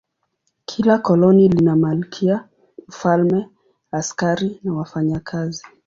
Kila koloni lina malkia, mfalme, askari na wafanyakazi.